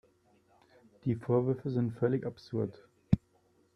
Die Vorwürfe sind völlig absurd.